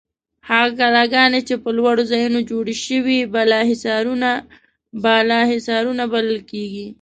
هغه کلاګانې چې په لوړو ځایونو جوړې شوې بالاحصارونه بلل کیږي.